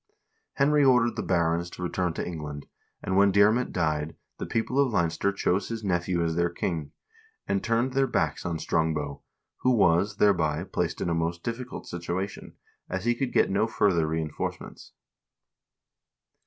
Henry ordered the barons to return to England, and when Diarmait died, the people of Leinster chose his nephew as their king, and turned their backs on Strongbow, who was, thereby, placed in a most difficult situation, as he could get no further reenforce ments.